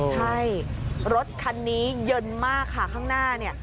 ใช่รถคันนี้เย็นมากค่ะข้างหน้าเนี่ย